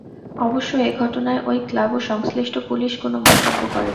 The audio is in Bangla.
অবশ্য এ ঘটনায় ওই ক্লাব ও সংশ্লিষ্ট পুলিশ কোনো মন্তব্য করেনি।